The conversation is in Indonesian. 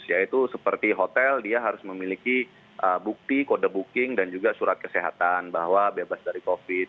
yaitu seperti hotel dia harus memiliki bukti kode booking dan juga surat kesehatan bahwa bebas dari covid